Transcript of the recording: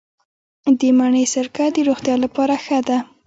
د مڼې سرکه د روغتیا لپاره ښه ده.